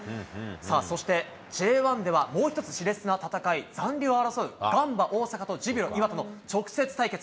さあ、そしてＪ１ではもう１つ、しれつな戦い、残留を争うガンバ大阪とジュビロ磐田の直接対決。